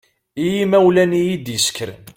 I yimawlan i yi-d-isekren.